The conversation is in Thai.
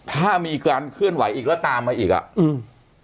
ถ้ามีการเคลื่อนไหวอีกแล้วตามมาอีกอ่ะอืม